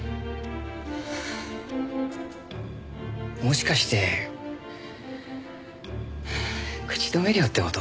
もしかして口止め料って事？